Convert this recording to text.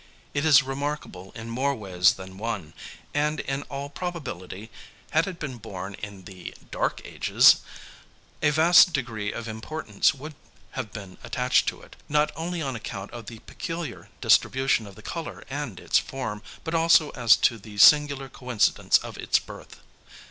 It is remarkable in more ways than one, and in all probability, had it been born in "the dark ages" a vast degree of importance would have been attached to it, not only on account of the peculiar distribution of the colour and its form, but also as to the singular coincidence of its birth.